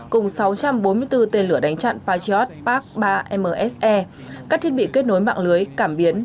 cùng sáu trăm bốn mươi bốn tên lửa đánh chặn patriot park ba mse các thiết bị kết nối mạng lưới cảm biến